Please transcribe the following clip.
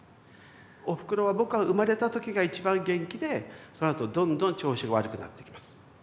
おふくろは僕が生まれた時が一番元気でそのあとどんどん調子が悪くなっていきます。